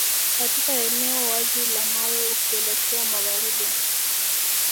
Katika eneo wazi la mawe ukielekea magharibi